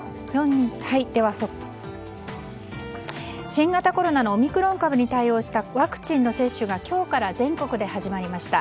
新型コロナのオミクロン株に対応したワクチンの接種が今日から全国で始まりました。